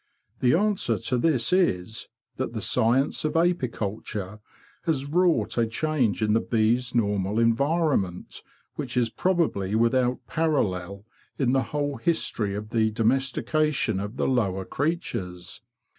The answer to this is that the science of apiculture has wrought a change in the bees' normal environment which is probably without parallel in the whole history of the domestication of the lower creatures.